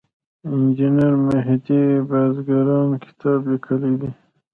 انجینیر مهدي بازرګان کتاب لیکلی دی.